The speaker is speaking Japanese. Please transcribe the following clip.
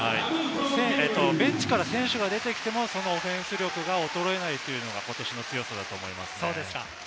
ベンチから選手が出てきても、そのオフェンス力が衰えないというのが今年の強さだと思います。